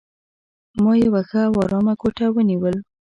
ما یوه ښه او آرامه کوټه ونیول.